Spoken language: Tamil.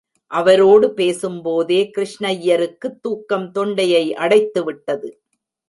அவரோடு பேசும்போதே கிருஷ்ணய்யருக்கு துக்கம் தொண்டையை அடைத்துவிட்டது.